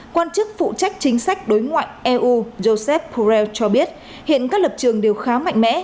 quan chức phụ trách chính sách đối ngoại eu josep port cho biết hiện các lập trường đều khá mạnh mẽ